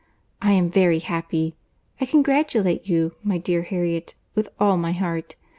I am very happy. I congratulate you, my dear Harriet, with all my heart.